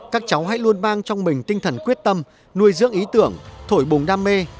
các cháu hãy luôn mang trong mình tinh thần quyết tâm nuôi dưỡng ý tưởng thổi bùng đam mê